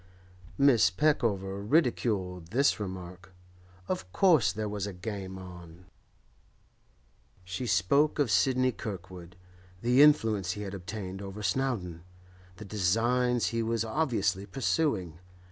Mrs. Peckover ridiculed this remark; of course there was a game on; she spoke of Sidney Kirkwood, the influence he had obtained over Snowdon, the designs he was obviously pursuing.